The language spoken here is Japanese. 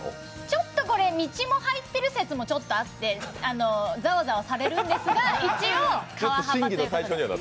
ちょっとこれ道も入ってる説もあってざわざわされるんですが、一応、川幅ということで。